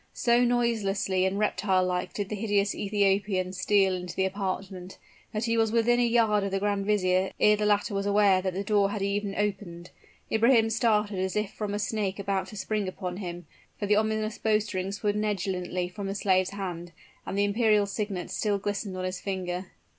So noiselessly and reptile like did the hideous Ethiopian steal into the apartment, that he was within a yard of the grand vizier ere the latter was aware that the door had even opened. Ibrahim started as if from a snake about to spring upon him for the ominous bowstring swung negligently from the slave's hand, and the imperial signet still glistened on his finger.